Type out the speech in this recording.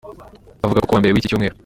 avuga ko kuwa mbere w’iki cyumweru